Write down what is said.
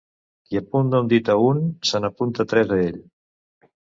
Qui apunta un dit a un, se n'apunta tres a ell.